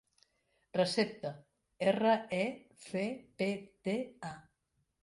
Recepta: erra, e, ce, pe, te, a.